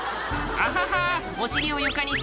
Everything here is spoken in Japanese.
「アハハハ